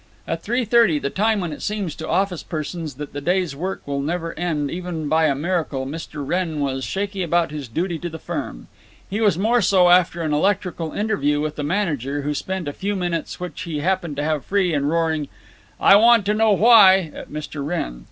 At three thirty, the time when it seems to office persons that the day's work never will end, even by a miracle, Mr. Wrenn was shaky about his duty to the firm. He was more so after an electrical interview with the manager, who spent a few minutes, which he happened to have free, in roaring "I want to know why" at Mr. Wrenn.